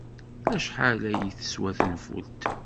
Acḥal ay teswa tenfult?